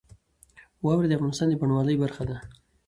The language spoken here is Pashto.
واوره د افغانستان د بڼوالۍ برخه ده.